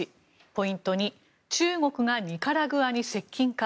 ポイント２、中国がニカラグアに接近か。